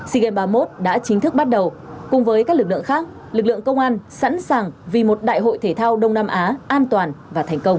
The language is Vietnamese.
sea games ba mươi một đã chính thức bắt đầu cùng với các lực lượng khác lực lượng công an sẵn sàng vì một đại hội thể thao đông nam á an toàn và thành công